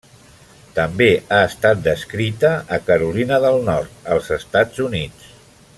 També ha estat descrita a Carolina del Nord, als Estats Units.